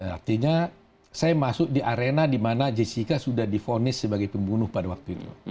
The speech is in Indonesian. artinya saya masuk di arena di mana jessica sudah difonis sebagai pembunuh pada waktu itu